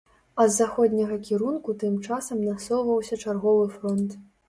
А з заходняга кірунку тым часам насоўваўся чарговы фронт.